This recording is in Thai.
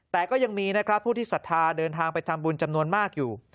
แต่ก็ยังมีผู้ที่สะท้าเดินทางไปทำบุญจำนวนมากอยู่